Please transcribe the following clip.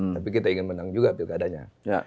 tapi kita ingin menang juga pilkadanya